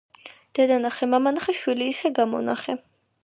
დედა ნახე მამა ნახე შვილი ისე გამონახე